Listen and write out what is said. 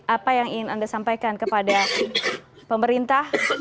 apa yang ingin anda sampaikan kepada pemerintah